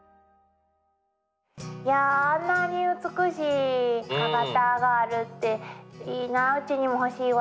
あんなに美しい川端があるっていいなうちにも欲しいわ。